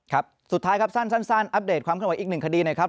ครับสุดท้ายครับสั้นอัปเดตความขึ้นไหวอีกหนึ่งคดีนะครับ